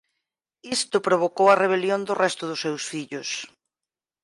Isto provocou a rebelión do resto dos seus fillos.